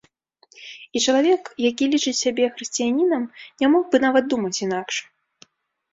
І чалавек, які лічыць сябе хрысціянінам, не мог бы нават думаць інакш.